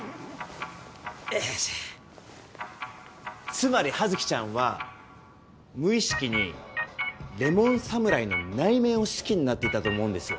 つまり羽月ちゃんは無意識にレモン侍の「内面」を好きになってたと思うんですよ。